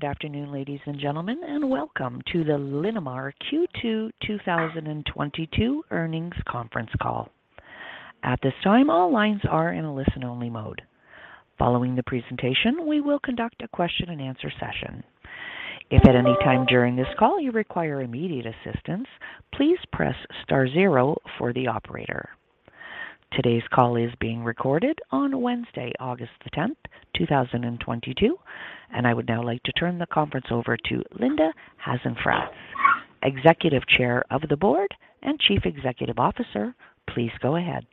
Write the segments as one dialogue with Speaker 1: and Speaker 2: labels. Speaker 1: Good afternoon, ladies and gentlemen, and welcome to the Linamar Q2 2022 earnings conference call. At this time, all lines are in a listen-only mode. Following the presentation, we will conduct a question and answer session. If at any time during this call you require immediate assistance, please press star zero for the operator. Today's call is being recorded on Wednesday, August 10th, 2022. I would now like to turn the conference over to Linda Hasenfratz, Executive Chair of the Board and Chief Executive Officer. Please go ahead.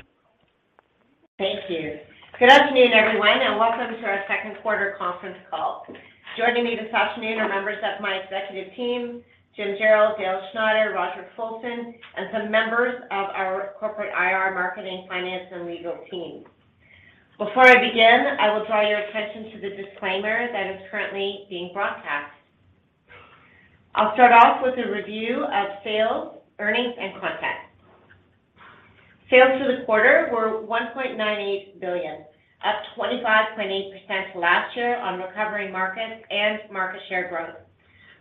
Speaker 2: Thank you. Good afternoon, everyone, and welcome to our second quarter conference call. Joining me this afternoon are members of my executive team, Jim Jarrell, Dale Schneider, Roger Futcher, and some members of our corporate IR, marketing, finance, and legal team. Before I begin, I will draw your attention to the disclaimer that is currently being broadcast. I'll start off with a review of sales, earnings, and content. Sales for the quarter were 1.98 billion, up 25.8% last year on recovering markets and market share growth.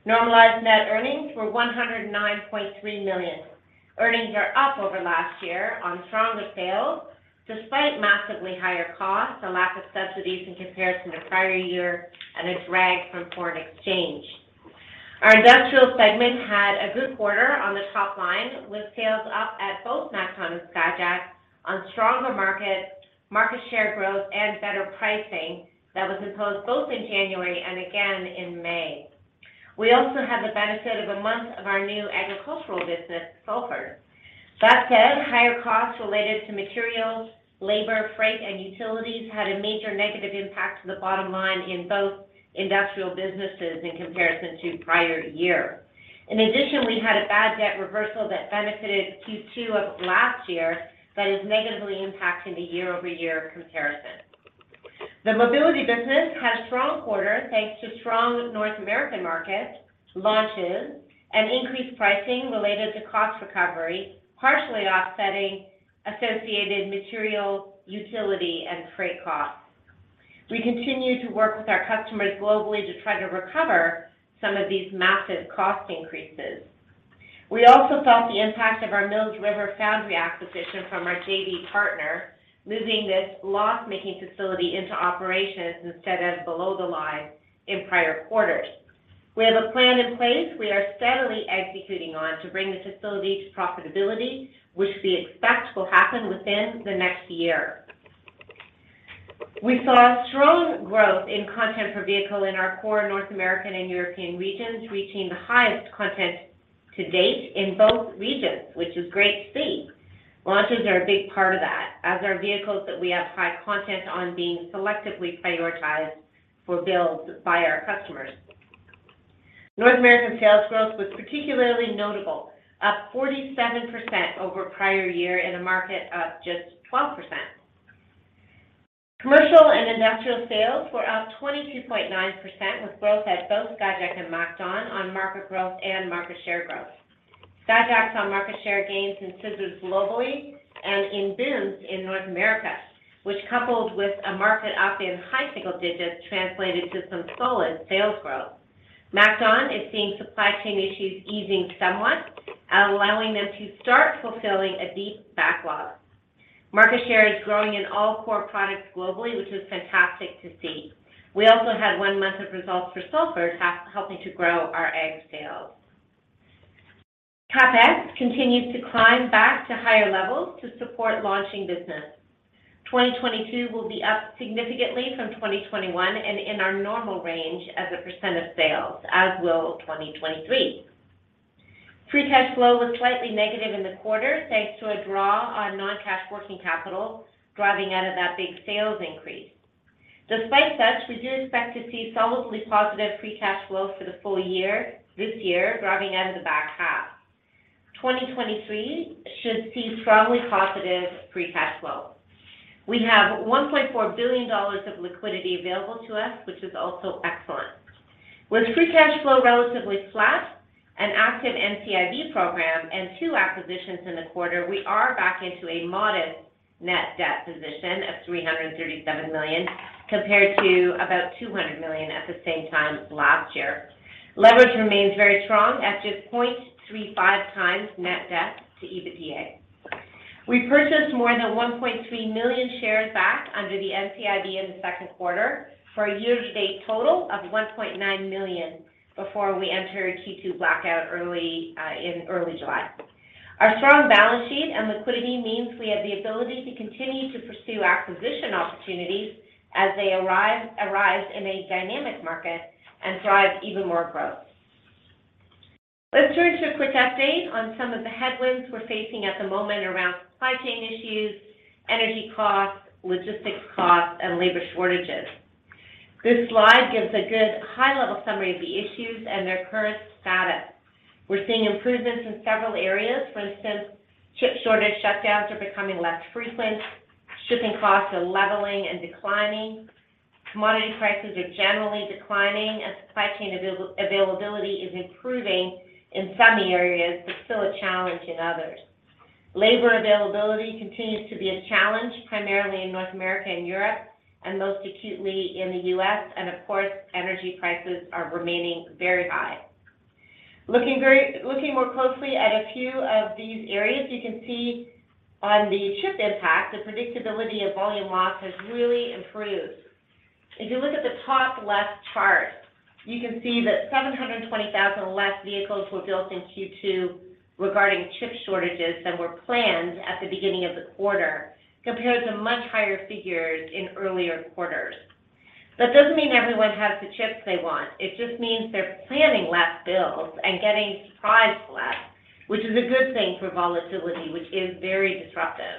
Speaker 2: Normalized net earnings were 109.3 million. Earnings are up over last year on stronger sales despite massively higher costs, a lack of subsidies in comparison to prior year, and a drag from foreign exchange. Our industrial segment had a good quarter on the top line, with sales up at both MacDon and Skyjack on stronger markets, market share growth, and better pricing that was imposed both in January and again in May. We also had the benefit of a month of our new agricultural business, Salford. That said, higher costs related to materials, labor, freight, and utilities had a major negative impact to the bottom line in both industrial businesses in comparison to prior year. In addition, we had a bad debt reversal that benefited Q2 of last year that is negatively impacting the year-over-year comparison. The mobility business had a strong quarter thanks to strong North American markets, launches, and increased pricing related to cost recovery, partially offsetting associated material, utility, and freight costs. We continue to work with our customers globally to try to recover some of these massive cost increases. We also felt the impact of our Mills River Foundry acquisition from our JV partner, moving this loss-making facility into operations instead of below the line in prior quarters. We have a plan in place we are steadily executing on to bring the facility to profitability, which we expect will happen within the next year. We saw strong growth in content per vehicle in our core North American and European regions, reaching the highest content to date in both regions, which is great to see. Launches are a big part of that, as are vehicles that we have high content on being selectively prioritized for builds by our customers. North American sales growth was particularly notable, up 47% over prior year in a market up just 12%. Commercial and industrial sales were up 22.9% with growth at both Skyjack and MacDon on market growth and market share growth. Skyjack saw market share gains in scissors globally and in booms in North America, which coupled with a market up in high single digits, translated to some solid sales growth. MacDon is seeing supply chain issues easing somewhat, allowing them to start fulfilling a deep backlog. Market share is growing in all core products globally, which is fantastic to see. We also had one month of results for Salford helping to grow our ag sales. CapEx continues to climb back to higher levels to support launching business. 2022 will be up significantly from 2021 and in our normal range as a percent of sales, as will 2023. Free cash flow was slightly negative in the quarter, thanks to a draw on non-cash working capital, driving out of that big sales increase. Despite such, we do expect to see solidly positive free cash flow for the full year, this year, driving out in the back half. 2023 should see strongly positive free cash flow. We have 1.4 billion dollars of liquidity available to us, which is also excellent. With free cash flow relatively flat, an active NCIB program and two acquisitions in the quarter, we are back into a modest net debt position of CAD 337 million compared to about CAD 200 million at the same time last year. Leverage remains very strong at just 0.35x net debt to EBITDA. We purchased more than 1.3 million shares back under the NCIB in the second quarter for a year-to-date total of 1.9 million before we entered Q2 blackout early in early July. Our strong balance sheet and liquidity means we have the ability to continue to pursue acquisition opportunities as they arise in a dynamic market and drive even more growth. Let's turn to a quick update on some of the headwinds we're facing at the moment around supply chain issues, energy costs, logistics costs, and labor shortages. This slide gives a good high-level summary of the issues and their current status. We're seeing improvements in several areas. For instance, chip shortage shutdowns are becoming less frequent. Shipping costs are leveling and declining. Commodity prices are generally declining, and supply chain availability is improving in some areas, but still a challenge in others. Labor availability continues to be a challenge, primarily in North America and Europe, and most acutely in the U.S., and of course, energy prices are remaining very high. Looking more closely at a few of these areas, you can see on the chip impact, the predictability of volume loss has really improved. If you look at the top left chart, you can see that 720,000 less vehicles were built in Q2 regarding chip shortages than were planned at the beginning of the quarter, compared to much higher figures in earlier quarters. That doesn't mean everyone has the chips they want. It just means they're planning less builds and getting surprised less, which is a good thing for volatility, which is very disruptive.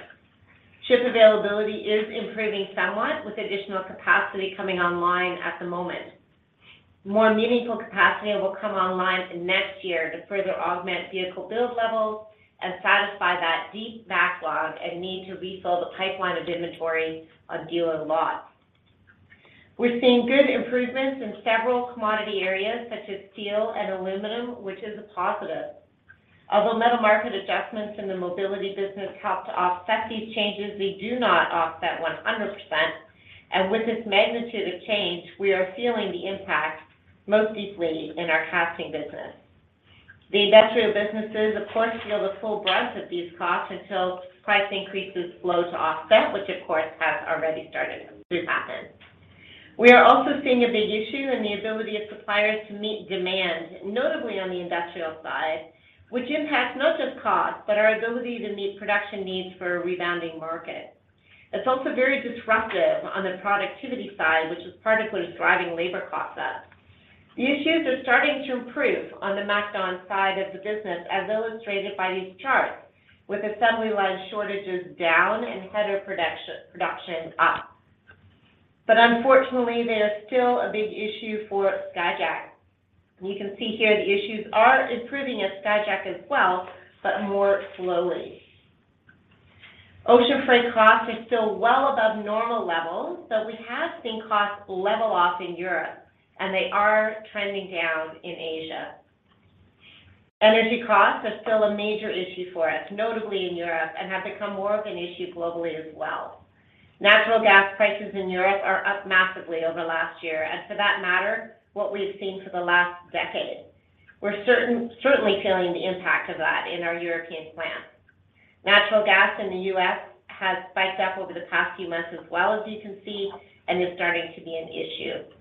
Speaker 2: Ship availability is improving somewhat with additional capacity coming online at the moment. More meaningful capacity will come online in next year to further augment vehicle build levels and satisfy that deep backlog and need to refill the pipeline of inventory on dealer lots. We're seeing good improvements in several commodity areas such as steel and aluminum, which is a positive. Although metal market adjustments in the mobility business help to offset these changes, they do not offset 100%. With this magnitude of change, we are feeling the impact most deeply in our casting business. The industrial businesses, of course, feel the full brunt of these costs until price increases flow to offset, which of course, has already started to happen. We are also seeing a big issue in the ability of suppliers to meet demand, notably on the industrial side, which impacts not just cost, but our ability to meet production needs for a rebounding market. It's also very disruptive on the productivity side, which is part of what is driving labor costs up. The issues are starting to improve on the MacDon side of the business, as illustrated by these charts, with assembly line shortages down and header production up. Unfortunately, there's still a big issue for Skyjack. You can see here the issues are improving at Skyjack as well, but more slowly. Ocean freight costs are still well above normal levels, but we have seen costs level off in Europe, and they are trending down in Asia. Energy costs are still a major issue for us, notably in Europe, and have become more of an issue globally as well. Natural gas prices in Europe are up massively over last year, and for that matter, what we've seen for the last decade. We're certainly feeling the impact of that in our European plants. Natural gas in the U.S. has spiked up over the past few months as well as you can see, and is starting to be an issue.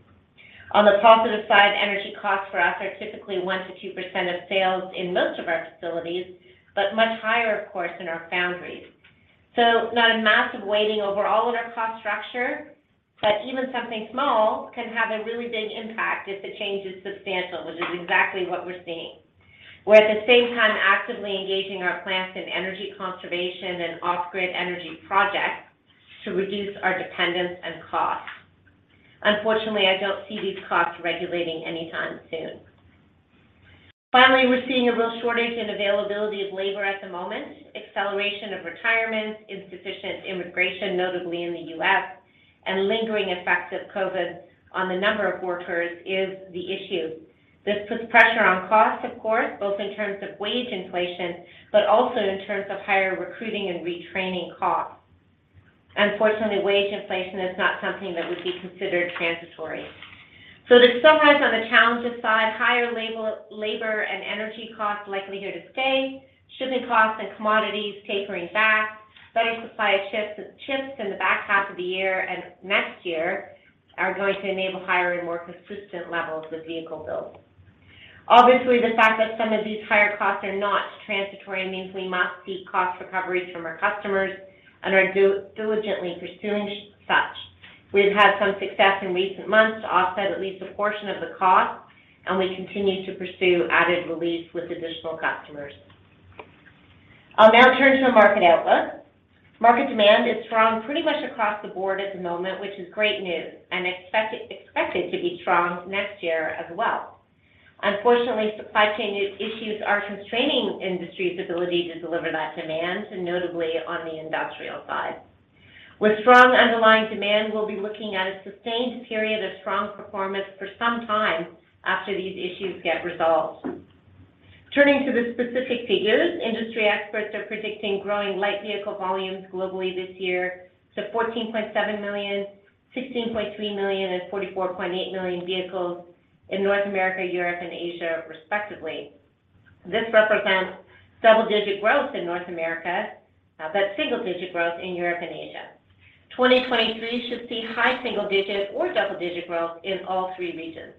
Speaker 2: On the positive side, energy costs for us are typically 1%-2% of sales in most of our facilities, but much higher, of course, in our foundries. Not a massive weighting over all of our cost structure, but even something small can have a really big impact if the change is substantial, which is exactly what we're seeing. We're at the same time actively engaging our plants in energy conservation and off-grid energy projects to reduce our dependence and cost. Unfortunately, I don't see these costs regulating anytime soon. Finally, we're seeing a real shortage in availability of labor at the moment. Acceleration of retirement, insufficient immigration, notably in the U.S., and lingering effects of COVID on the number of workers is the issue. This puts pressure on costs, of course, both in terms of wage inflation, but also in terms of higher recruiting and retraining costs. Unfortunately, wage inflation is not something that would be considered transitory. To summarize on the challenges side, higher labor and energy costs likely here to stay, shipping costs and commodities tapering back, better supply of chips in the back half of the year and next year are going to enable higher and more consistent levels of vehicle build. Obviously, the fact that some of these higher costs are not transitory means we must seek cost recoveries from our customers and are diligently pursuing such. We've had some success in recent months to offset at least a portion of the cost, and we continue to pursue added relief with additional customers. I'll now turn to the market outlook. Market demand is strong pretty much across the board at the moment, which is great news, and expected to be strong next year as well. Unfortunately, supply chain issues are constraining industry's ability to deliver that demand, notably on the industrial side. With strong underlying demand, we'll be looking at a sustained period of strong performance for some time after these issues get resolved. Turning to the specific figures, industry experts are predicting growing light vehicle volumes globally this year to 14.7 million, 16.3 million, and 44.8 million vehicles in North America, Europe, and Asia, respectively. This represents double-digit growth in North America, but single-digit growth in Europe and Asia. 2023 should see high single-digit or double-digit growth in all three regions.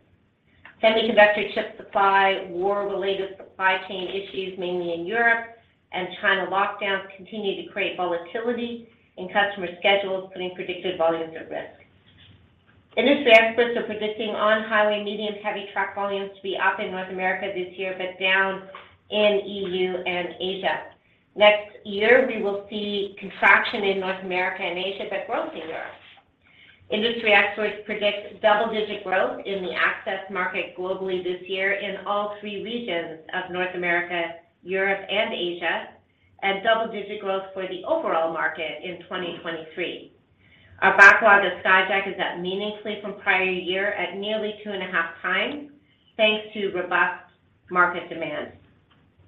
Speaker 2: Semiconductor chip supply, war-related supply chain issues mainly in Europe and China lockdowns continue to create volatility in customer schedules, putting predicted volumes at risk. Industry experts are predicting on-highway medium heavy truck volumes to be up in North America this year, but down in EU and Asia. Next year, we will see contraction in North America and Asia, but growth in Europe. Industry experts predict double-digit growth in the access market globally this year in all three regions of North America, Europe, and Asia, and double-digit growth for the overall market in 2023. Our backlog of Skyjack is up meaningfully from prior year at nearly two and a half times, thanks to robust market demand.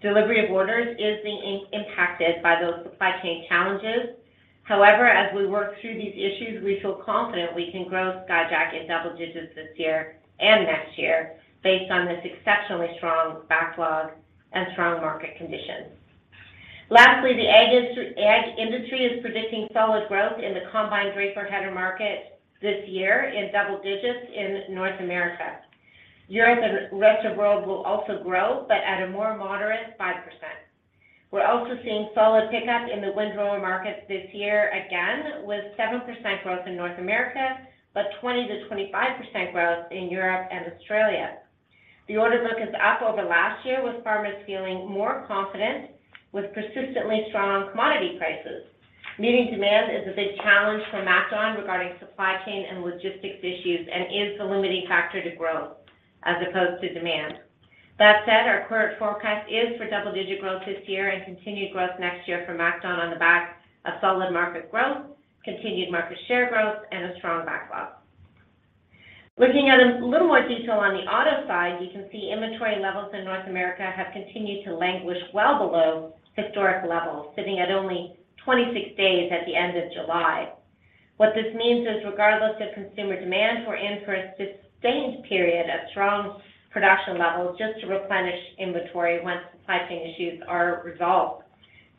Speaker 2: Delivery of orders is being impacted by those supply chain challenges. However, as we work through these issues, we feel confident we can grow Skyjack in double digits this year and next year based on this exceptionally strong backlog and strong market conditions. Lastly, the ag industry is predicting solid growth in the combined draper header market this year in double digits in North America. Europe and rest of world will also grow, but at a more moderate 5%. We're also seeing solid pickup in the windrower market this year, again with 7% growth in North America, but 20%-25% growth in Europe and Australia. The order book is up over last year with farmers feeling more confident with persistently strong commodity prices. Meeting demand is a big challenge for MacDon regarding supply chain and logistics issues and is the limiting factor to growth as opposed to demand. That said, our current forecast is for double-digit growth this year and continued growth next year for MacDon on the back of solid market growth, continued market share growth, and a strong backlog. Looking at a little more detail on the auto side, you can see inventory levels in North America have continued to languish well below historic levels, sitting at only 26 days at the end of July. What this means is, regardless of consumer demand, we're in for a sustained period of strong production levels just to replenish inventory once supply chain issues are resolved.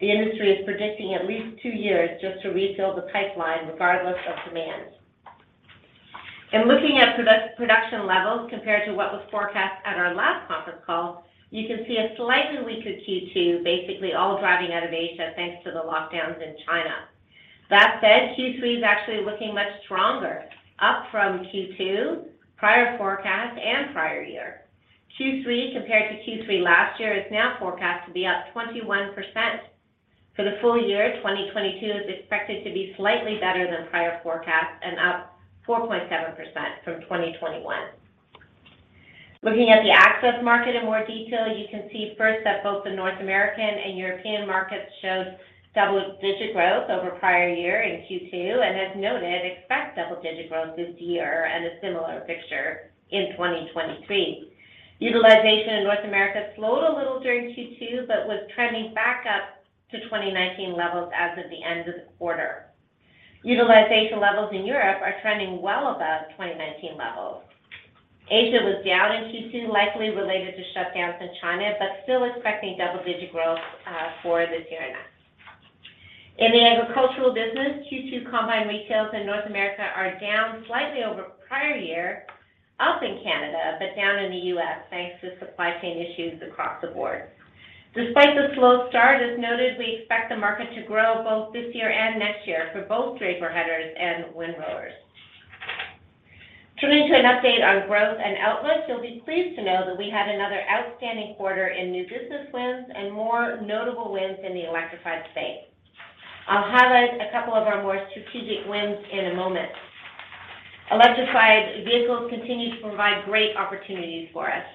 Speaker 2: The industry is predicting at least two years just to refill the pipeline regardless of demand. In looking at production levels compared to what was forecast at our last conference call, you can see a slightly weaker Q2, basically all driving out of Asia, thanks to the lockdowns in China. That said, Q3 is actually looking much stronger, up from Q2, prior forecast, and prior year. Q3 compared to Q3 last year is now forecast to be up 21%. For the full year, 2022 is expected to be slightly better than prior forecasts and up 4.7% from 2021. Looking at the access market in more detail, you can see first that both the North American and European markets showed double-digit growth over prior year in Q2, and as noted, expect double-digit growth this year and a similar picture in 2023. Utilization in North America slowed a little during Q2, but was trending back up to 2019 levels as of the end of the quarter. Utilization levels in Europe are trending well above 2019 levels. Asia was down in Q2, likely related to shutdowns in China, but still expecting double-digit growth for this year and next. In the agricultural business, Q2 combined retail sales in North America are down slightly over prior year, up in Canada, but down in the U.S., thanks to supply chain issues across the board. Despite the slow start, as noted, we expect the market to grow both this year and next year for both draper headers and windrowers. Turning to an update on growth and outlook, you'll be pleased to know that we had another outstanding quarter in new business wins and more notable wins in the electrified space. I'll highlight a couple of our more strategic wins in a moment. Electrified vehicles continue to provide great opportunities for us.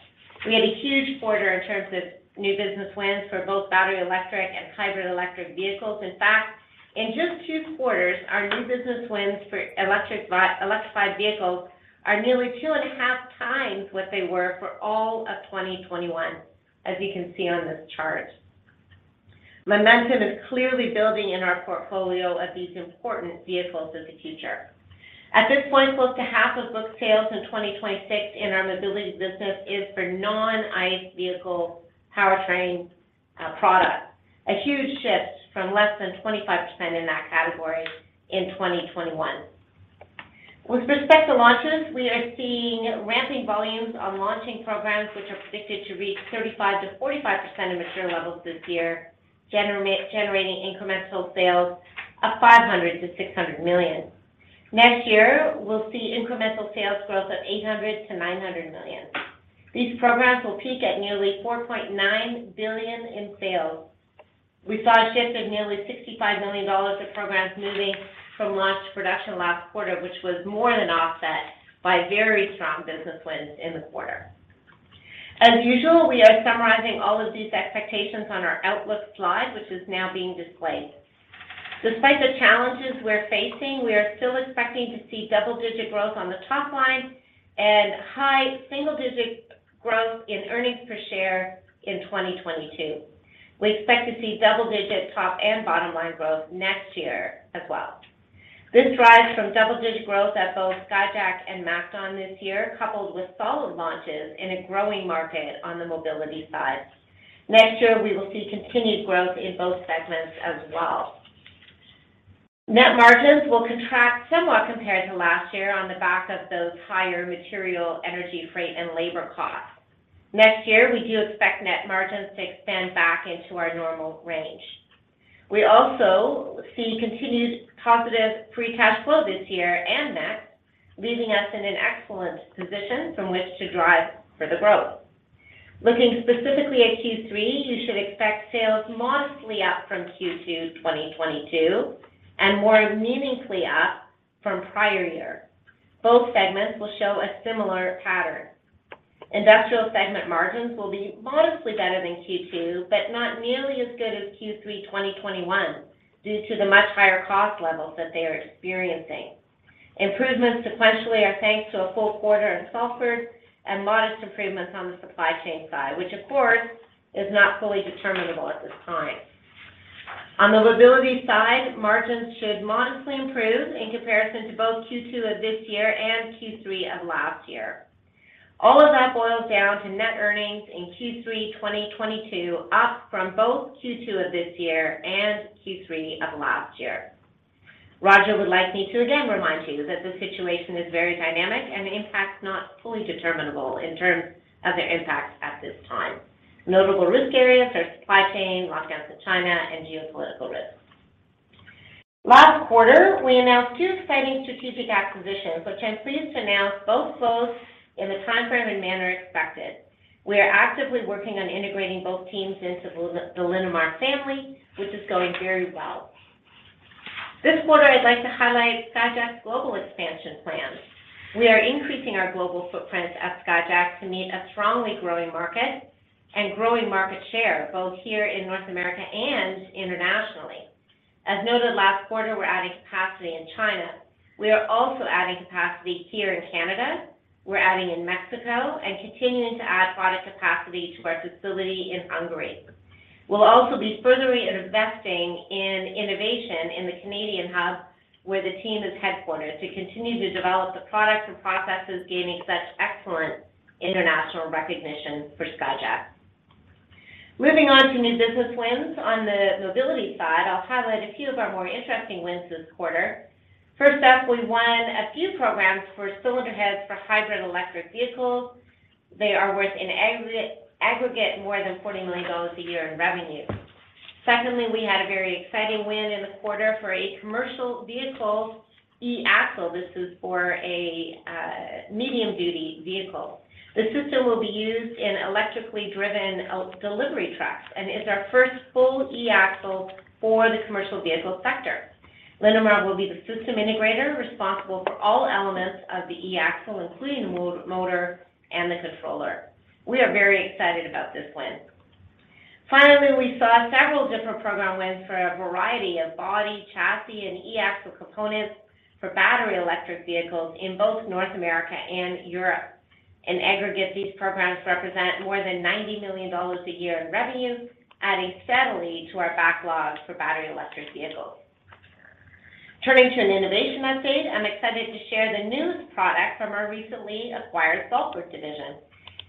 Speaker 2: We had a huge quarter in terms of new business wins for both battery electric and hybrid electric vehicles. In fact, in just two quarters, our new business wins for electrified vehicles are nearly two and a half times what they were for all of 2021, as you can see on this chart. Momentum is clearly building in our portfolio of these important vehicles of the future. At this point, close to half of booked sales in 2026 in our mobility business is for non-ICE vehicle powertrain product, a huge shift from less than 25% in that category in 2021. With respect to launches, we are seeing ramping volumes on launching programs which are predicted to reach 35%-45% of mature levels this year, generating incremental sales of 500 million-600 million. Next year, we'll see incremental sales growth of 800 million-900 million. These programs will peak at nearly 4.9 billion in sales. We saw a shift of nearly 65 million dollars of programs moving from launch to production last quarter, which was more than offset by very strong business wins in the quarter. As usual, we are summarizing all of these expectations on our outlook slide, which is now being displayed. Despite the challenges we're facing, we are still expecting to see double-digit growth on the top line and high single-digit growth in earnings per share in 2022. We expect to see double-digit top and bottom line growth next year as well. This derives from double-digit growth at both Skyjack and MacDon this year, coupled with solid launches in a growing market on the mobility side. Next year, we will see continued growth in both segments as well. Net margins will contract somewhat compared to last year on the back of those higher material, energy, freight, and labor costs. Next year, we do expect net margins to expand back into our normal range. We also see continued positive free cash flow this year and next, leaving us in an excellent position from which to drive further growth. Looking specifically at Q3, you should expect sales modestly up from Q2 2022 and more meaningfully up from prior year. Both segments will show a similar pattern. Industrial segment margins will be modestly better than Q2, but not nearly as good as Q3 2021 due to the much higher cost levels that they are experiencing. Improvements sequentially are thanks to a full quarter in Salford and modest improvements on the supply chain side, which of course, is not fully determinable at this time. On the Mobility side, margins should modestly improve in comparison to both Q2 of this year and Q3 of last year. All of that boils down to net earnings in Q3 2022, up from both Q2 of this year and Q3 of last year. Roger would like me to again remind you that the situation is very dynamic and the impact is not fully determinable in terms of their impact at this time. Notable risk areas are supply chain, lockdowns in China, and geopolitical risks. Last quarter, we announced two exciting strategic acquisitions, which I'm pleased to announce both closed in the timeframe and manner expected. We are actively working on integrating both teams into the Linamar family, which is going very well. This quarter, I'd like to highlight Skyjack's global expansion plans. We are increasing our global footprint at Skyjack to meet a strongly growing market and growing market share, both here in North America and internationally. As noted last quarter, we're adding capacity in China. We are also adding capacity here in Canada. We're adding in Mexico and continuing to add product capacity to our facility in Hungary. We'll also be further investing in innovation in the Canadian hub, where the team is headquartered, to continue to develop the products and processes gaining such excellent international recognition for Skyjack. Moving on to new business wins. On the mobility side, I'll highlight a few of our more interesting wins this quarter. First up, we won a few programs for cylinder heads for hybrid electric vehicles. They are worth in aggregate more than 40 million dollars a year in revenue. Secondly, we had a very exciting win in the quarter for a commercial vehicle e-axle. This is for a medium-duty vehicle. The system will be used in electrically driven delivery trucks and is our first full e-axle for the commercial vehicle sector. Linamar will be the system integrator responsible for all elements of the e-axle, including the motor and the controller. We are very excited about this win. Finally, we saw several different program wins for a variety of body, chassis, and e-axle components for battery electric vehicles in both North America and Europe. In aggregate, these programs represent more than 90 million dollars a year in revenue, adding steadily to our backlog for battery electric vehicles. Turning to an innovation update, I'm excited to share the newest product from our recently acquired Salford division.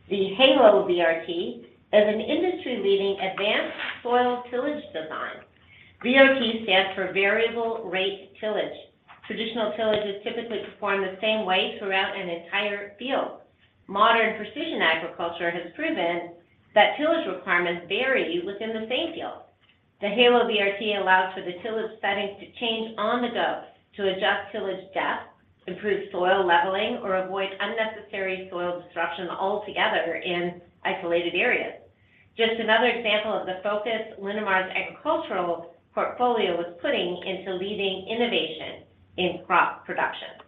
Speaker 2: The HALO VRT is an industry-leading advanced soil tillage design. VRT stands for Variable Rate Tillage. Traditional tillage is typically performed the same way throughout an entire field. Modern precision agriculture has proven that tillage requirements vary within the same field. The HALO VRT allows for the tillage settings to change on the go to adjust tillage depth, improve soil leveling, or avoid unnecessary soil disruption altogether in isolated areas. Just another example of the focus Linamar's agricultural portfolio is putting into leading innovation in crop production.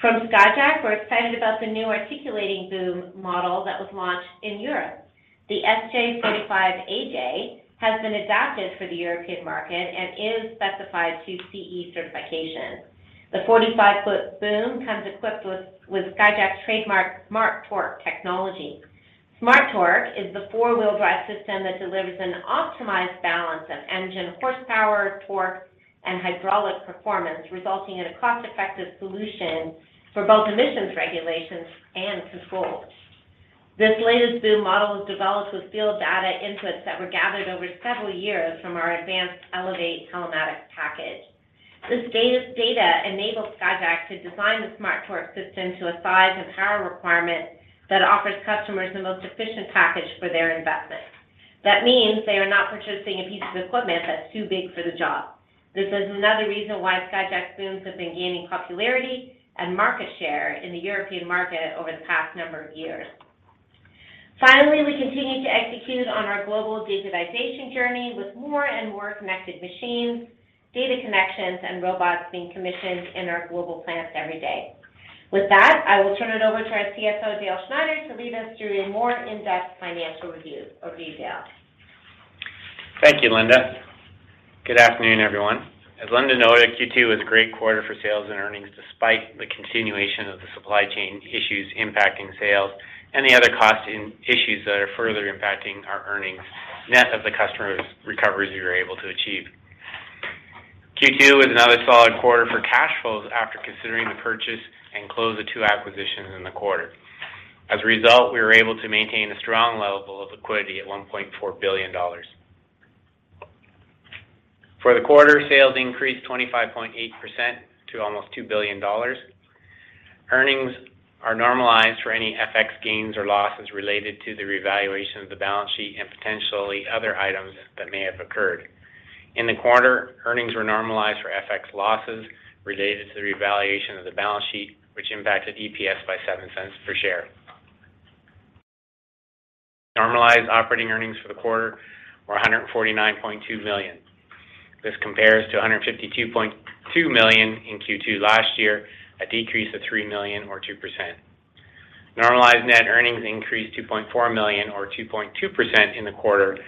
Speaker 2: From Skyjack, we're excited about the new articulating boom model that was launched in Europe. The SJ45 AJ has been adapted for the European market and is specified to CE certification. The 45 ft boom comes equipped with Skyjack's trademark SMARTORQUE technology. SMARTORQUE is the four-wheel drive system that delivers an optimized balance of engine horsepower, torque, and hydraulic performance, resulting in a cost-effective solution for both emissions regulations and control. This latest boom model was developed with field data inputs that were gathered over several years from our advanced Elevate telematics package. This data enabled Skyjack to design the SMARTORQUE system to a size and power requirement that offers customers the most efficient package for their investment. That means they are not purchasing a piece of equipment that's too big for the job. This is another reason why Skyjack's booms have been gaining popularity and market share in the European market over the past number of years. Finally, we continue to execute on our global digitization journey with more and more connected machines, data connections, and robots being commissioned in our global plants every day. With that, I will turn it over to our CFO, Dale Schneider, to lead us through a more in-depth financial review or detail.
Speaker 3: Thank you, Linda. Good afternoon, everyone. As Linda noted, Q2 was a great quarter for sales and earnings despite the continuation of the supply chain issues impacting sales and the other cost issues that are further impacting our earnings, net of the customers recoveries we were able to achieve. Q2 was another solid quarter for cash flows after considering the purchase and close of two acquisitions in the quarter. As a result, we were able to maintain a strong level of liquidity at 1.4 billion dollars. For the quarter, sales increased 25.8% to almost 2 billion dollars. Earnings are normalized for any FX gains or losses related to the revaluation of the balance sheet and potentially other items that may have occurred. In the quarter, earnings were normalized for FX losses related to the revaluation of the balance sheet, which impacted EPS by 0.07 per share. Normalized operating earnings for the quarter were 149.2 million. This compares to 152.2 million in Q2 last year, a decrease of 3 million or 2%. Normalized net earnings increased 2.4 million or 2.2% in the quarter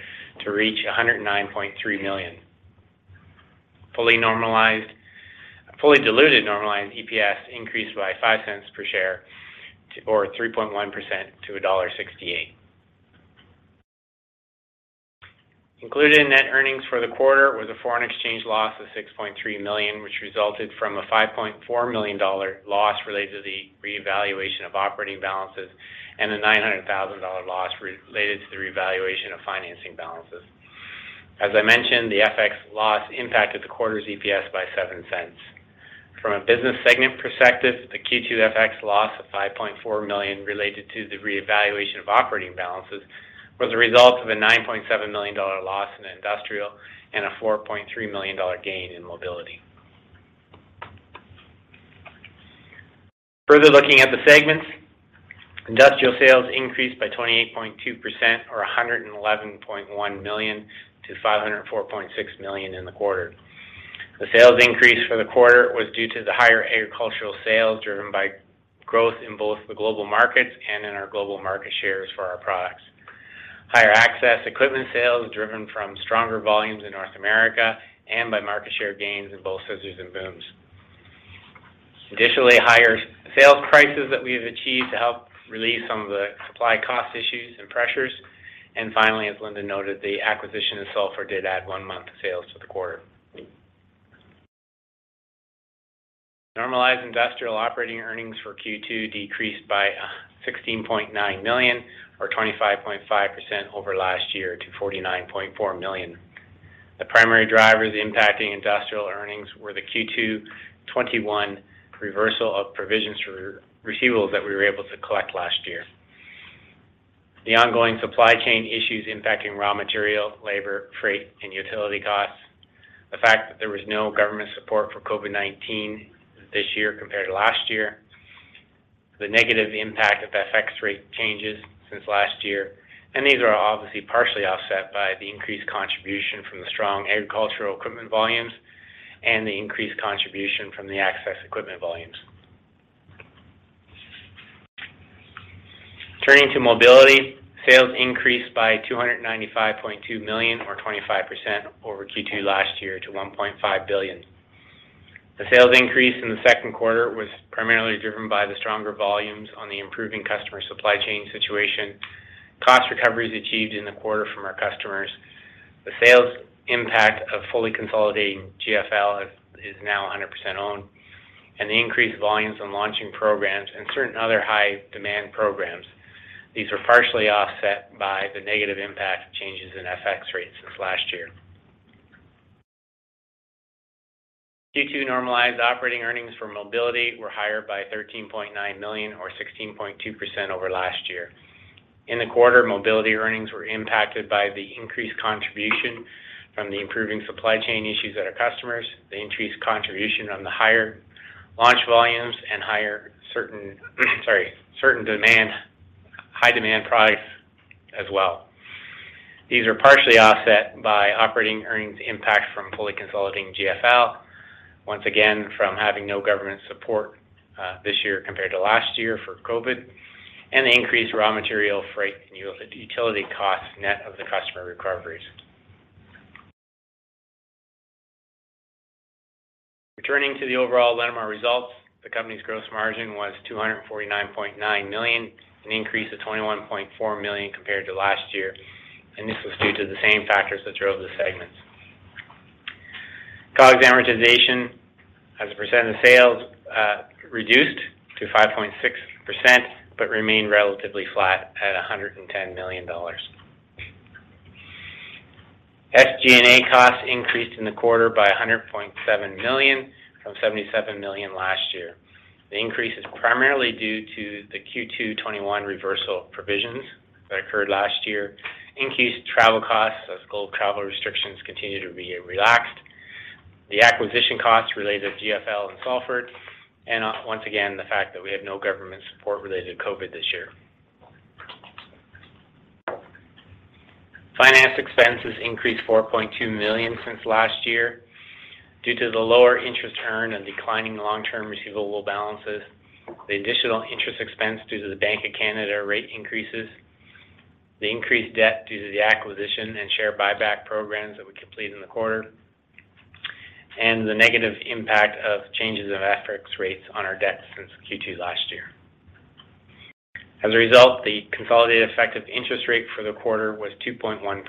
Speaker 3: to reach 109.3 million. Fully diluted normalized EPS increased by 0.05 per share or 3.1% to CAD 1.68. Included in net earnings for the quarter was a foreign exchange loss of 6.3 million, which resulted from a 5.4 million dollar loss related to the reevaluation of operating balances and a 900,000 dollar loss related to the reevaluation of financing balances. As I mentioned, the FX loss impacted the quarter's EPS by 0.07. From a business segment perspective, the Q2 FX loss of 5.4 million related to the reevaluation of operating balances was a result of a 9.7 million dollar loss in industrial and a 4.3 million dollar gain in mobility. Further looking at the segments, industrial sales increased by 28.2% or 111.1 million to 504.6 million in the quarter. The sales increase for the quarter was due to the higher agricultural sales, driven by growth in both the global markets and in our global market shares for our products. Higher access equipment sales driven from stronger volumes in North America and by market share gains in both scissors and booms. Additionally, higher sales prices that we have achieved to help relieve some of the supply cost issues and pressures. Finally, as Linda noted, the acquisition of Salford did add one month of sales to the quarter. Normalized industrial operating earnings for Q2 decreased by 16.9 million or 25.5% over last year to 49.4 million. The primary drivers impacting industrial earnings were the Q2 2021 reversal of provisions for receivables that we were able to collect last year. The ongoing supply chain issues impacting raw material, labor, freight, and utility costs. The fact that there was no government support for COVID-19 this year compared to last year. The negative impact of FX rate changes since last year. These are obviously partially offset by the increased contribution from the strong agricultural equipment volumes and the increased contribution from the access equipment volumes. Turning to mobility, sales increased by 295.2 million or 25% over Q2 last year to 1.5 billion. The sales increase in the second quarter was primarily driven by the stronger volumes on the improving customer supply chain situation, cost recoveries achieved in the quarter from our customers. The sales impact of fully consolidating GFL is now 100% owned, and the increased volumes on launching programs and certain other high demand programs. These were partially offset by the negative impact of changes in FX rates since last year. Q2 normalized operating earnings for mobility were higher by 13.9 million or 16.2% over last year. In the quarter, mobility earnings were impacted by the increased contribution from the improving supply chain issues at our customers, the increased contribution on the higher launch volumes and certain demand, high demand products as well. These are partially offset by operating earnings impact from fully consolidating GFL, once again from having no government support, this year compared to last year for COVID, and the increased raw material, freight, and utility costs net of the customer recoveries. Returning to the overall Linamar results, the company's gross margin was 249.9 million, an increase of 21.4 million compared to last year, and this was due to the same factors that drove the segments. COGS amortization as a percent of sales reduced to 5.6%, but remained relatively flat at 110 million dollars. SG&A costs increased in the quarter by 100.7 million from 77 million last year. The increase is primarily due to the Q2 2021 reversal of provisions that occurred last year, increased travel costs as global travel restrictions continue to be relaxed, the acquisition costs related to GFL and Salford, and once again, the fact that we have no government support related to COVID this year. Finance expenses increased 4.2 million since last year due to the lower interest earned and declining long-term receivable balances, the additional interest expense due to the Bank of Canada rate increases, the increased debt due to the acquisition and share buyback programs that we completed in the quarter, and the negative impact of changes in FX rates on our debt since Q2 last year. As a result, the consolidated effective interest rate for the quarter was 2.1%.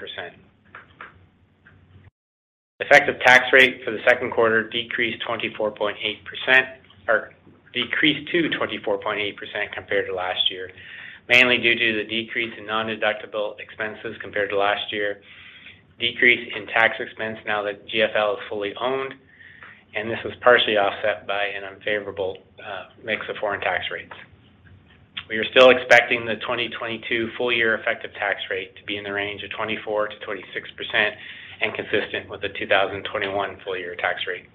Speaker 3: Effective tax rate for the second quarter decreased 24.8% or decreased to 24.8% compared to last year, mainly due to the decrease in non-deductible expenses compared to last year, decrease in tax expense now that GFL is fully owned, and this was partially offset by an unfavorable mix of foreign tax rates. We are still expecting the 2022 full year effective tax rate to be in the range of 24%-26% and consistent with the 2021 full year tax rate.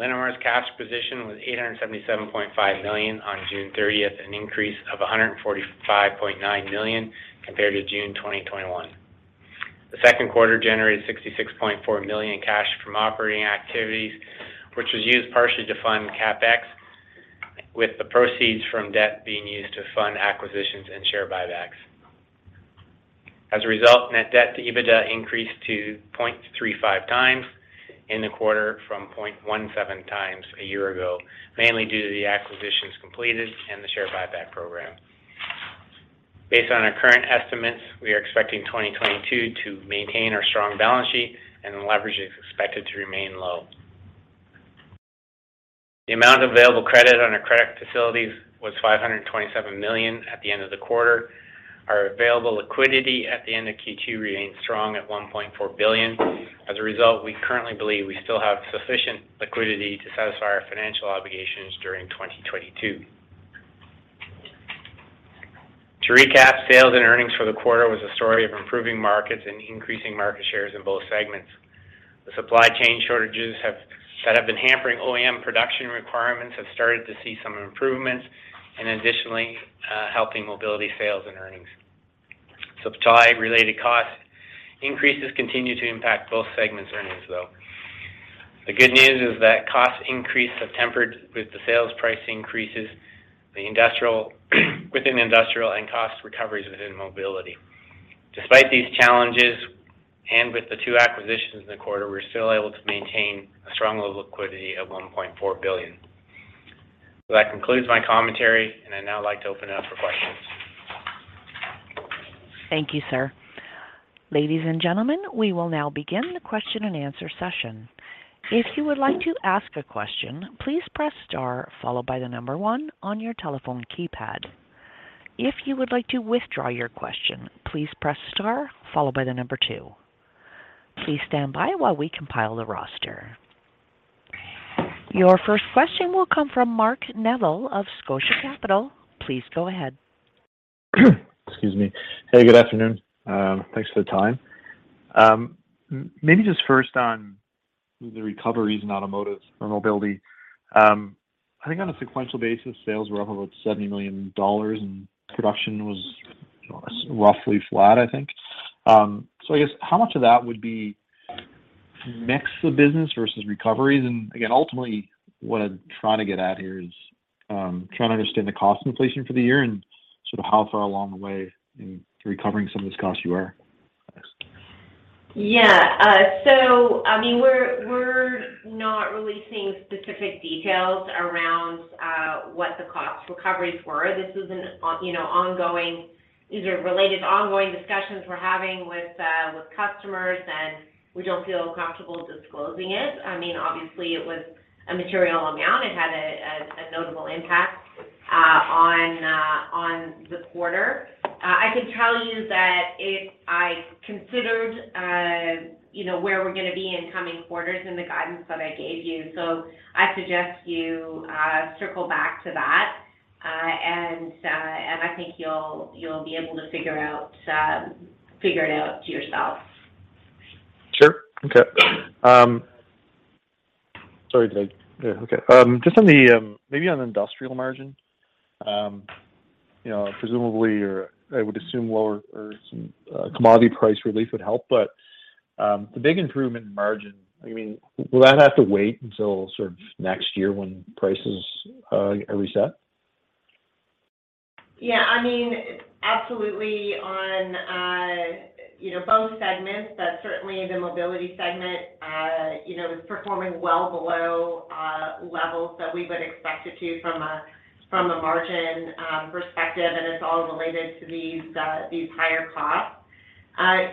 Speaker 3: Linamar's cash position was 877.5 million on June 30th, an increase of 145.9 million compared to June 2021. The second quarter generated 66.4 million in cash from operating activities, which was used partially to fund CapEx, with the proceeds from debt being used to fund acquisitions and share buybacks. As a result, net debt to EBITDA increased to 0.35x in the quarter from 0.17x a year ago, mainly due to the acquisitions completed and the share buyback program. Based on our current estimates, we are expecting 2022 to maintain our strong balance sheet, and the leverage is expected to remain low. The amount of available credit on our credit facilities was 527 million at the end of the quarter. Our available liquidity at the end of Q2 remains strong at 1.4 billion. As a result, we currently believe we still have sufficient liquidity to satisfy our financial obligations during 2022. To recap, sales and earnings for the quarter was a story of improving markets and increasing market shares in both segments. The supply chain shortages that have been hampering OEM production requirements have started to see some improvements and additionally, helping mobility sales and earnings. Supply related cost increases continue to impact both segments' earnings, though. The good news is that cost increases have tempered with the sales price increases within Industrial and cost recoveries within Mobility. Despite these challenges, and with the two acquisitions in the quarter, we're still able to maintain a strong level of liquidity of 1.4 billion. That concludes my commentary, and I'd now like to open it up for questions.
Speaker 1: Thank you, sir. Ladies and gentlemen, we will now begin the question and answer session. If you would like to ask a question, please press star followed by one on your telephone keypad. If you would like to withdraw your question, please press star followed by two. Please stand by while we compile the roster. Your first question will come from Mark Neville of Scotia Capital. Please go ahead.
Speaker 4: Excuse me. Hey, good afternoon. Thanks for the time. Maybe just first on the recoveries in automotive or mobility. I think on a sequential basis, sales were up about 70 million dollars and production was roughly flat, I think. So I guess, how much of that would be mix of business versus recoveries? Again, ultimately, what I'm trying to get at here is trying to understand the cost inflation for the year and sort of how far along the way in recovering some of this cost you are?
Speaker 2: Yeah. I mean, we're not releasing specific details around what the cost recoveries were. This is ongoing. These are related ongoing discussions we're having with customers, and we don't feel comfortable disclosing it. I mean, obviously it was a material amount. It had a notable impact on the quarter. I could tell you that I considered, you know, where we're gonna be in coming quarters in the guidance that I gave you. I suggest you circle back to that, and I think you'll be able to figure it out yourself.
Speaker 4: Sure. Okay. Just on the, maybe on industrial margin, you know, presumably or I would assume lower or some, commodity price relief would help, but the big improvement in margin, I mean, will that have to wait until sort of next year when prices are reset?
Speaker 2: Yeah, I mean, absolutely on, you know, both segments, but certainly the mobility segment, you know, is performing well below levels that we would expect it to from a margin perspective, and it's all related to these higher costs.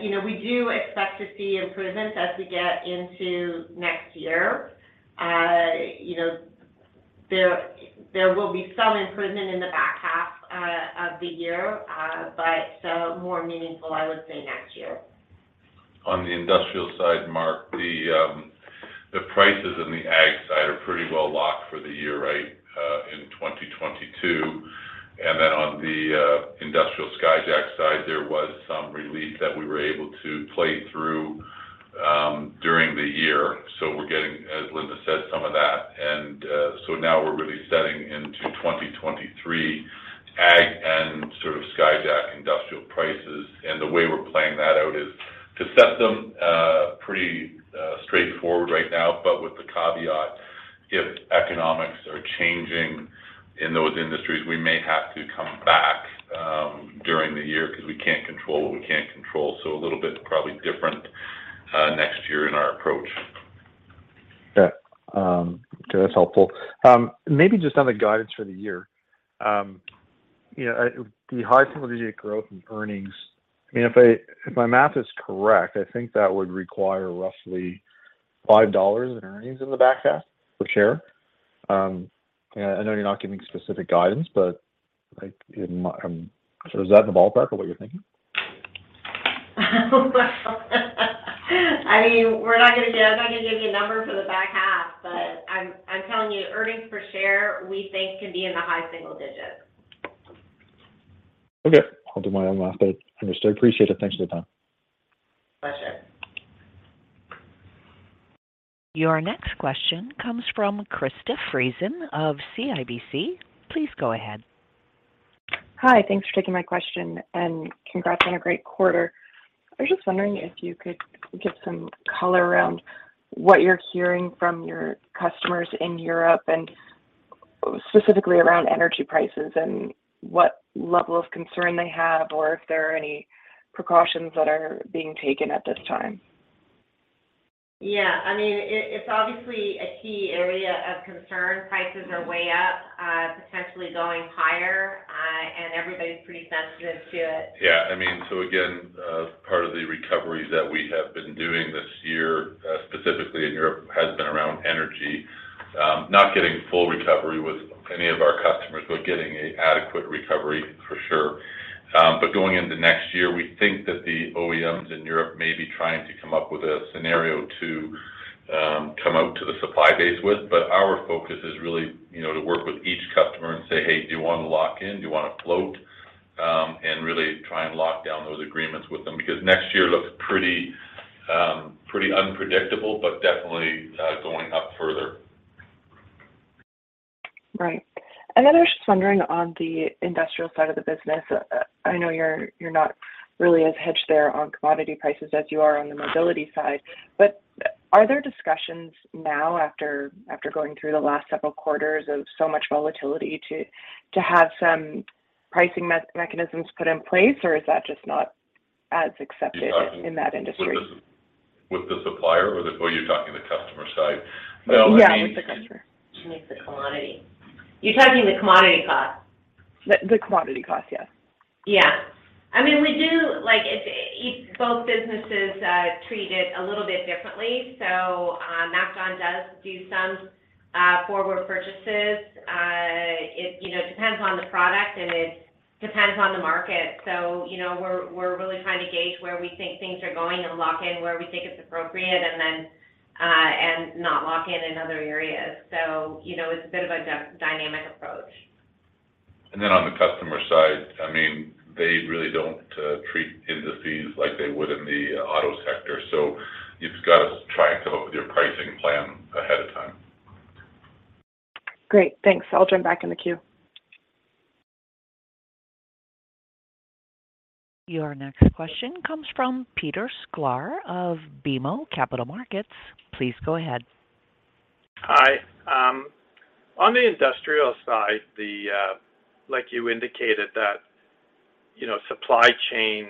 Speaker 2: You know, we do expect to see improvements as we get into next year. You know, there will be some improvement in the back half of the year, but so more meaningful, I would say, next year.
Speaker 5: On the industrial side, Mark, the prices in the ag side are pretty well locked for the year, right, in 2022. Then on the industrial Skyjack side, there was some relief that we were able to play through during the year. We're getting, as Linda said, some of that. Now we're really setting into 2023 ag and sort of Skyjack industrial prices. The way we're playing that out is to set them pretty straightforward right now, but with the caveat, if economics are changing in those industries, we may have to come back during the year because we can't control what we can't control. A little bit probably different next year in our approach.
Speaker 4: Okay. That's helpful. Maybe just on the guidance for the year. You know, the high single-digit growth in earnings, I mean, if my math is correct, I think that would require roughly 5 dollars in earnings in the back half per share. I know you're not giving specific guidance, but like, so is that in the ballpark of what you're thinking?
Speaker 2: Well, I mean, we're not gonna give, I'm not gonna give you a number for the back half, but I'm telling you earnings per share, we think could be in the high single digits.
Speaker 4: Okay, I'll do my own math, but understood. Appreciate it. Thanks for your time.
Speaker 2: My pleasure.
Speaker 1: Your next question comes from Krista Friesen of CIBC. Please go ahead.
Speaker 6: Hi. Thanks for taking my question, and congrats on a great quarter. I was just wondering if you could give some color around what you're hearing from your customers in Europe, and specifically around energy prices and what level of concern they have or if there are any precautions that are being taken at this time?
Speaker 2: Yeah. I mean, it's obviously a key area of concern. Prices are way up, potentially going higher, and everybody's pretty sensitive to it.
Speaker 5: Yeah. I mean, again, part of the recoveries that we have been doing this year, specifically in Europe, has been around energy. Not getting full recovery with any of our customers, but getting an adequate recovery for sure. Going into next year, we think that the OEMs in Europe may be trying to come up with a scenario to come out to the supply base with, but our focus is really, you know, to work with each customer and say, "Hey, do you wanna lock in? Do you wanna float?" Really try and lock down those agreements with them because next year looks pretty unpredictable, but definitely going up further.
Speaker 6: Right. I was just wondering on the industrial side of the business. I know you're not really as hedged there on commodity prices as you are on the mobility side, but are there discussions now after going through the last several quarters of so much volatility to have some pricing mechanisms put in place, or is that just not as accepted in that industry?
Speaker 5: You're talking with the supplier. Oh, you're talking on the customer side? No, I mean.
Speaker 6: Yeah, with the customer.
Speaker 2: She means the commodity. You're talking the commodity cost?
Speaker 6: The commodity cost, yes.
Speaker 2: Yeah. I mean, we do, like both businesses treat it a little bit differently. MacDon does do some forward purchases. It, you know, depends on the product, and it depends on the market. You know, we're really trying to gauge where we think things are going and lock in where we think it's appropriate and then and not lock in in other areas. You know, it's a bit of a dynamic approach.
Speaker 5: On the customer side, I mean, they really don't treat industries like they would in the auto sector. You've gotta try and come up with your pricing plan ahead of time.
Speaker 6: Great. Thanks. I'll join back in the queue.
Speaker 1: Your next question comes from Peter Sklar of BMO Capital Markets. Please go ahead.
Speaker 7: Hi. On the industrial side, like you indicated that, you know, supply chain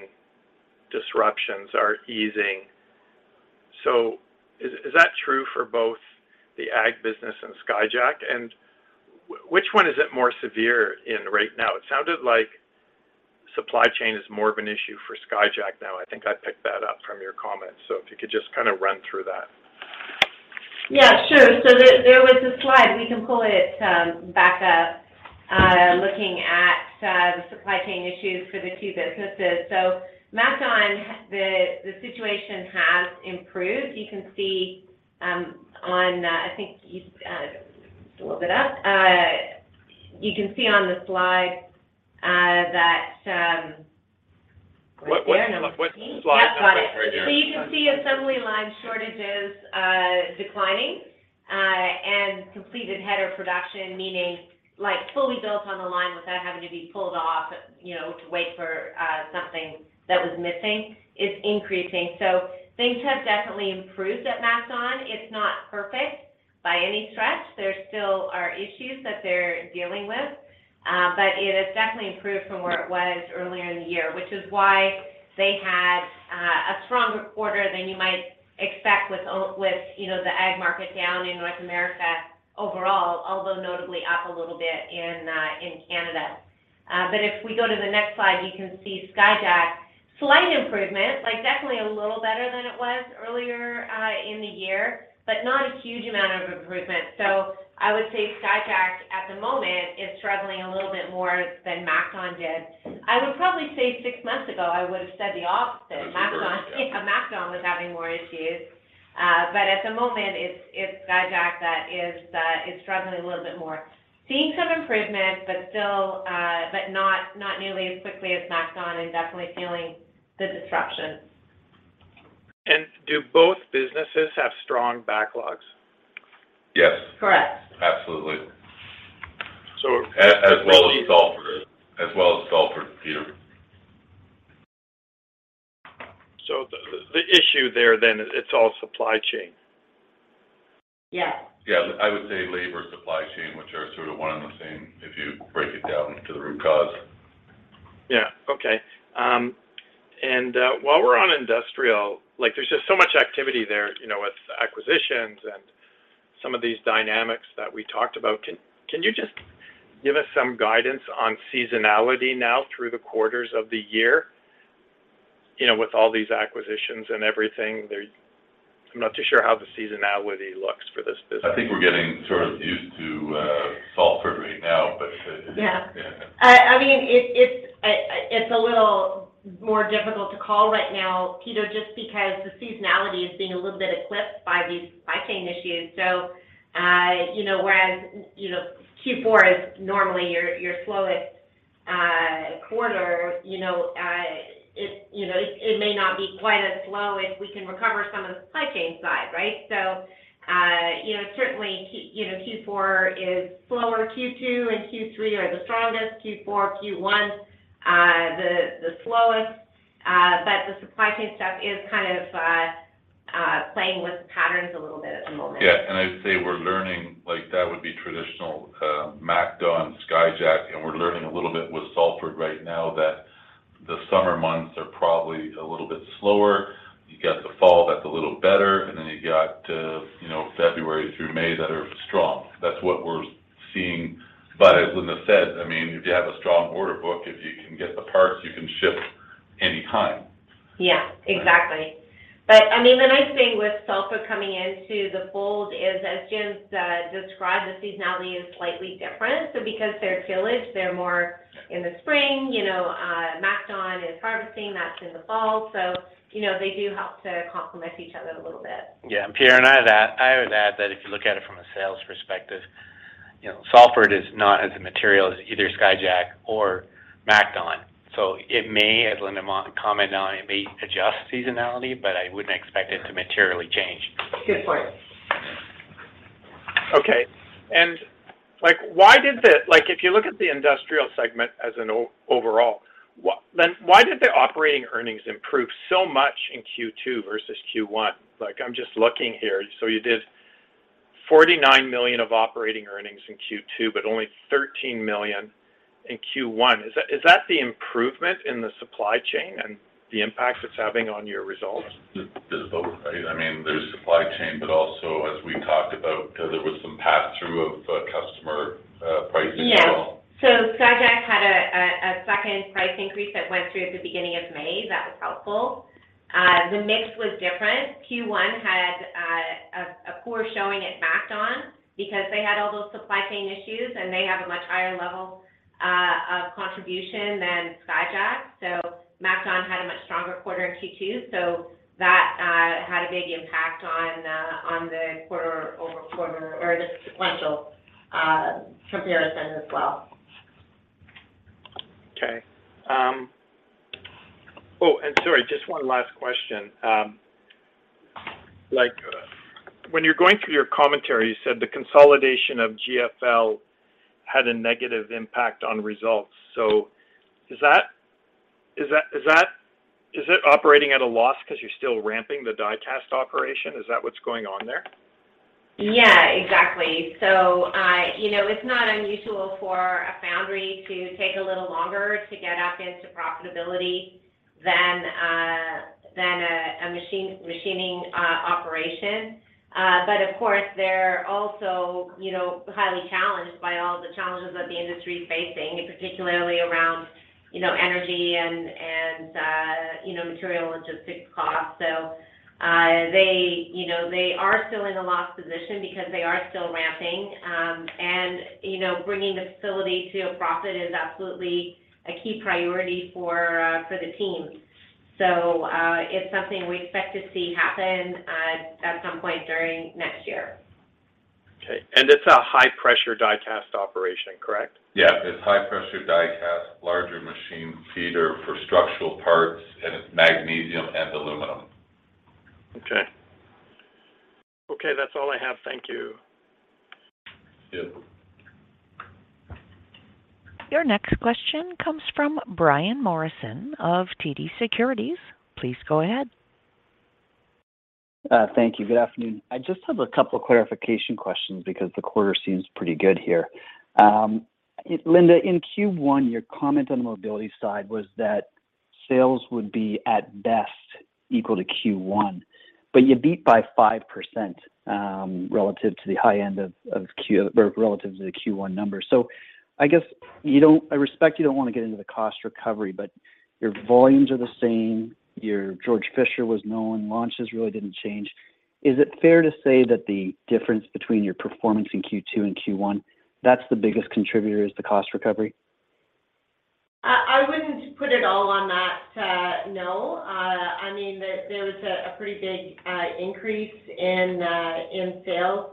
Speaker 7: disruptions are easing. Is that true for both the ag business and Skyjack? Which one is it more severe in right now? It sounded like supply chain is more of an issue for Skyjack now. I think I picked that up from your comments. If you could just kinda run through that.
Speaker 2: Yeah, sure. There was a slide we can pull it back up, looking at the supply chain issues for the two businesses. MacDon, the situation has improved. You can see. I think you just pulled it up. You can see on the slide that right there. Number 18.
Speaker 5: What slide is that right there?
Speaker 2: Yep, got it. You can see assembly line shortages declining, and completed header production, meaning like fully built on the line without having to be pulled off, you know, to wait for something that was missing, is increasing. Things have definitely improved at MacDon. It's not perfect by any stretch. There still are issues that they're dealing with. It has definitely improved from where it was earlier in the year, which is why they had a stronger quarter than you might expect with, you know, the ag market down in North America overall, although notably up a little bit in Canada. If we go to the next slide, you can see Skyjack, slight improvement, like definitely a little better than it was earlier in the year, but not a huge amount of improvement. I would say Skyjack at the moment is struggling a little bit more than MacDon did. I would probably say six months ago, I would've said the opposite.
Speaker 5: Yeah, sure. Yeah.
Speaker 2: MacDon, yeah, MacDon was having more issues. At the moment it's Skyjack that is struggling a little bit more. Seeing some improvement, but still, but not nearly as quickly as MacDon and definitely feeling the disruptions.
Speaker 7: Do both businesses have strong backlogs?
Speaker 5: Yes.
Speaker 2: Correct.
Speaker 5: Absolutely.
Speaker 7: So-
Speaker 5: As well as Salford, Peter.
Speaker 7: The issue there then, it's all supply chain?
Speaker 2: Yeah.
Speaker 5: Yeah. I would say labor, supply chain, which are sort of one and the same if you break it down to the root cause.
Speaker 7: Yeah. Okay. While we're on industrial, like there's just so much activity there, you know, with acquisitions and some of these dynamics that we talked about. Can you just give us some guidance on seasonality now through the quarters of the year? You know, with all these acquisitions and everything there, I'm not too sure how the seasonality looks for this business.
Speaker 5: I think we're getting sort of used to Salford right now, but.
Speaker 2: Yeah.
Speaker 5: Yeah.
Speaker 2: I mean, it's a little more difficult to call right now, Peter, just because the seasonality is being a little bit eclipsed by these supply chain issues. You know, whereas you know Q4 is normally your slowest quarter, it may not be quite as slow if we can recover some of the supply chain side, right? You know, certainly Q4 is slower. Q2 and Q3 are the strongest. Q4, Q1, the slowest. The supply chain stuff is kind of playing with the patterns a little bit at the moment.
Speaker 5: Yeah. I'd say we're learning, like, that would be traditional, MacDon, Skyjack, and we're learning a little bit with Salford right now that the summer months are probably a little bit slower. You get the fall, that's a little better, and then you got, you know, February through May that are strong. That's what we're seeing. As Linda said, I mean, if you have a strong order book, if you can get the parts, you can ship any time.
Speaker 2: Yeah. Exactly. I mean, the nice thing with Salford coming into the fold is, as Jim described, the seasonality is slightly different. Because they're tillage, they're more in the spring, you know. MacDon is harvesting, that's in the fall. You know, they do help to complement each other a little bit.
Speaker 3: Yeah. Peter Sklar and I would add that if you look at it from a sales perspective, you know, Salford is not as material as either Skyjack or MacDon. It may, as Linda commented on, adjust seasonality, but I wouldn't expect it to materially change.
Speaker 2: Good point.
Speaker 7: Okay. Like, if you look at the industrial segment as an overall, then why did the operating earnings improve so much in Q2 versus Q1? Like, I'm just looking here. You did 49 million of operating earnings in Q2, but only 13 million in Q1. Is that the improvement in the supply chain and the impact it's having on your results?
Speaker 5: There's both. I mean, there's supply chain, but also as we talked about, there was some pass-through of customer pricing as well.
Speaker 2: Yes. Skyjack had a second price increase that went through at the beginning of May that was helpful. The mix was different. Q1 had a poor showing at MacDon because they had all those supply chain issues, and they have a much higher level of contribution than Skyjack. MacDon had a much stronger quarter in Q2, so that had a big impact on the quarter-over-quarter or the sequential comparison as well.
Speaker 7: Okay. Sorry, just one last question. Like, when you're going through your commentary, you said the consolidation of GFL had a negative impact on results. Is it operating at a loss 'cause you're still ramping the die-cast operation? Is that what's going on there?
Speaker 2: Yeah, exactly. You know, it's not unusual for a foundry to take a little longer to get up into profitability than a machine-machining operation. Of course, they're also, you know, highly challenged by all the challenges that the industry is facing, particularly around, you know, energy and you know, material and just fixed costs. They, you know, are still in a loss position because they are still ramping. You know, bringing the facility to a profit is absolutely a key priority for the team. It's something we expect to see happen at some point during next year.
Speaker 7: Okay. It's a high-pressure die-cast operation, correct?
Speaker 5: Yeah. It's high-pressure die-cast, larger machine feeder for structural parts, and it's magnesium and aluminum.
Speaker 7: Okay. Okay, that's all I have. Thank you.
Speaker 5: Yeah.
Speaker 1: Your next question comes from Brian Morrison of TD Securities. Please go ahead.
Speaker 8: Thank you. Good afternoon. I just have a couple clarification questions because the quarter seems pretty good here. Linda, in Q1, your comment on the mobility side was that sales would be, at best, equal to Q1, but you beat by 5%, relative to the high end of or relative to the Q1 number. I respect you don't wanna get into the cost recovery, but your volumes are the same. Your Georg Fischer was known. Launches really didn't change. Is it fair to say that the difference between your performance in Q2 and Q1, that's the biggest contributor, is the cost recovery?
Speaker 2: I wouldn't put it all on that, no. I mean, there was a pretty big increase in sales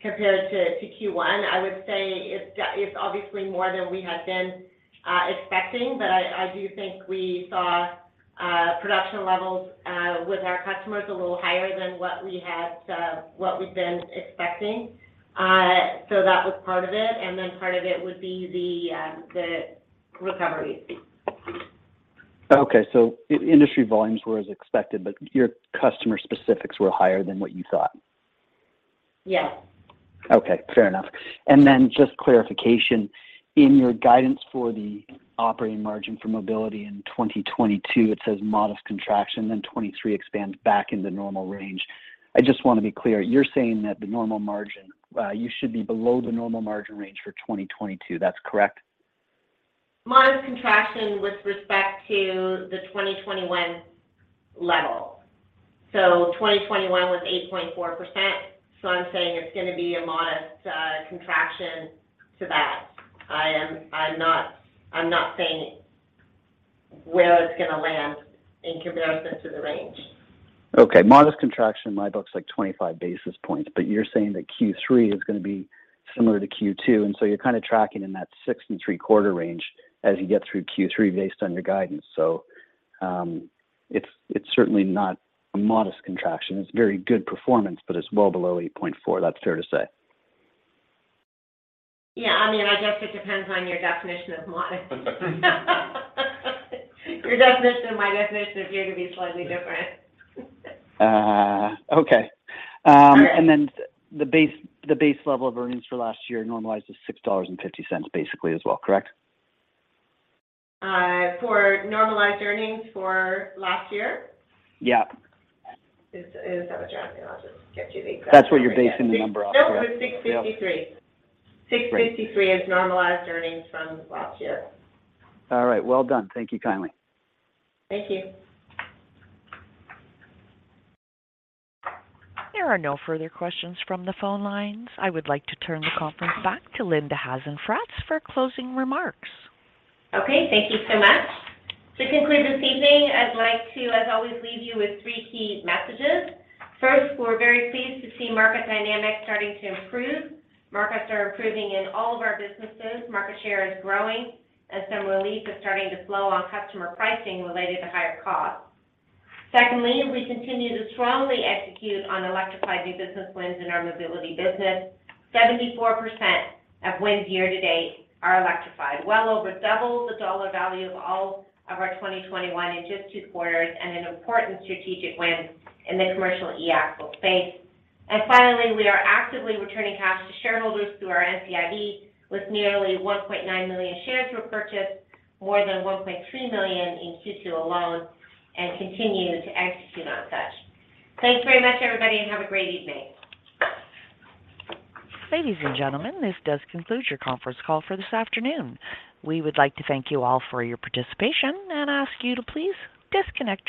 Speaker 2: compared to Q1. I would say it's obviously more than we had been expecting. I do think we saw production levels with our customers a little higher than what we'd been expecting. So that was part of it, and then part of it would be the recovery.
Speaker 8: Industry volumes were as expected, but your customer specifics were higher than what you thought?
Speaker 2: Yes.
Speaker 8: Okay. Fair enough. Just clarification. In your guidance for the operating margin for mobility in 2022, it says modest contraction, then 2023 expands back into normal range. I just wanna be clear. You're saying that the normal margin, you should be below the normal margin range for 2022. That's correct?
Speaker 2: Modest contraction with respect to the 2021 level. 2021 was 8.4%, so I'm saying it's gonna be a modest contraction to that. I'm not saying where it's gonna land in comparison to the range.
Speaker 8: Okay. Modest contraction in my book is like 25 basis points, but you're saying that Q3 is gonna be similar to Q2, and so you're kinda tracking in that 6.75% quarter range as you get through Q3 based on your guidance. It's certainly not a modest contraction. It's very good performance, but it's well below 8.4%. That's fair to say.
Speaker 2: Yeah. I mean, I guess it depends on your definition of modest. Your definition and my definition appear to be slightly different.
Speaker 8: The base level of earnings for last year normalized is 6.50 basically as well, correct?
Speaker 2: For normalized earnings for last year?
Speaker 8: Yeah.
Speaker 2: Is that what you're asking? I'll just get you the exact number.
Speaker 8: That's what you're basing the number off, yeah.
Speaker 2: Nope, it was 653 million. 653 million is normalized earnings from last year.
Speaker 8: All right. Well done. Thank you kindly.
Speaker 2: Thank you.
Speaker 1: There are no further questions from the phone lines. I would like to turn the conference back to Linda Hasenfratz for closing remarks.
Speaker 2: Okay. Thank you so much. To conclude this evening, I'd like to, as always, leave you with three key messages. First, we're very pleased to see market dynamics starting to improve. Markets are improving in all of our businesses. Market share is growing, and some relief is starting to flow on customer pricing related to higher costs. Secondly, we continue to strongly execute on electrified new business wins in our mobility business. 74% of wins year to date are electrified, well over double the dollar value of all of our 2021 in just two quarters, and an important strategic win in the commercial e-axle space. Finally, we are actively returning cash to shareholders through our NCIB with nearly 1.9 million shares repurchased, more than 1.3 million in Q2 alone, and continue to execute on such. Thanks very much, everybody, and have a great evening.
Speaker 1: Ladies and gentlemen, this does conclude your conference call for this afternoon. We would like to thank you all for your participation and ask you to please disconnect your lines.